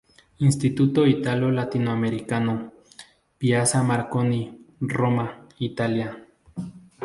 Istituto Italo Latinoamericano, Piazza Marconi, Roma, Italia.